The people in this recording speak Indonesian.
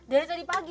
dari tadi pagi